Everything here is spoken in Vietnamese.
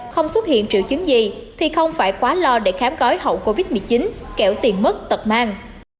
không xuất hiện triệu chứng gì thì không phải quá lo để khám gói hậu covid một mươi chín kéo tiền mất tật mang